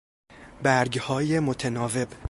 برگهای متناوب